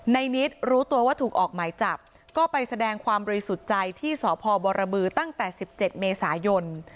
นิดรู้ตัวว่าถูกออกหมายจับก็ไปแสดงความบริสุทธิ์ใจที่สพบรบือตั้งแต่๑๗เมษายน